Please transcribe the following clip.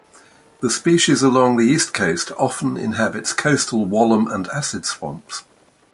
The species along the east coast often inhabits coastal wallum and acid swamps.